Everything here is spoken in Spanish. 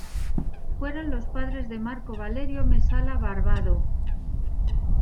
Fueron los padres de Marco Valerio Mesala Barbado.